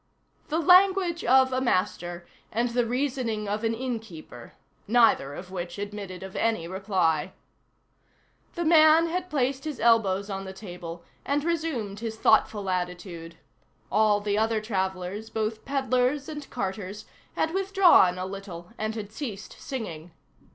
The language of a master, and the reasoning of an innkeeper, neither of which admitted of any reply. The man had placed his elbows on the table, and resumed his thoughtful attitude. All the other travellers, both pedlers and carters, had withdrawn a little, and had ceased singing.